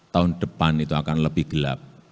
tahun depan itu akan lebih gelap